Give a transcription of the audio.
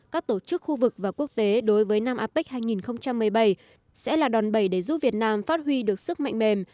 các tổ chức khu vực và quốc tế đối với năm apec hai nghìn một mươi bảy sẽ là đòn bẩy để giúp việt nam phát huy được sức mạnh mềm